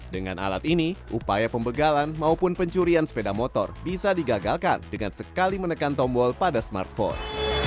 dengan alat ini upaya pembegalan maupun pencurian sepeda motor bisa digagalkan dengan sekali menekan tombol pada smartphone